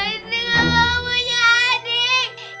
indri gak mau punya adik